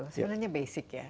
sebenarnya basic ya